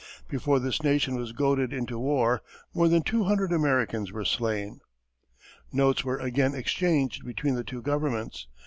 Before this nation was goaded into war, more than 200 Americans were slain. Notes were again exchanged between the two Governments.